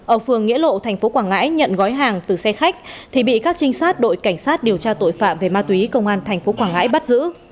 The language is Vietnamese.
ở phường nghĩa lộ tp quảng ngãi nhận gói hàng từ xe khách thì bị các trinh sát đội cảnh sát điều tra tội phạm về ma túy công an tp quảng ngãi bắt giữ